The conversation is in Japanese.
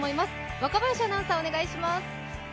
若林アナウンサー、お願いします。